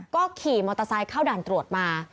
ก็ขี่มอเตอร์ไซค์เข้าด่านตรวจมา